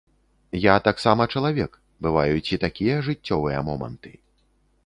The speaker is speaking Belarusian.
Я таксама чалавек, бываюць і такія жыццёвыя моманты.